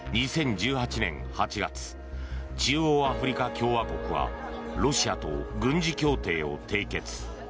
２０１８年８月中央アフリカ共和国はロシアと軍事協定を締結。